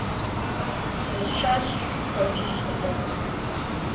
- Зы щэщӏ хуэдиз къызэт.